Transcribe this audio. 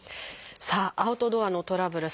さあアウトドアのトラブル。